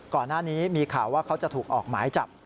ก่อนหน้านี้มีข่าวว่าเขาจะถูกออกหมายจับ